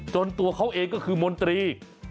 ตัวเขาเองก็คือมนตรี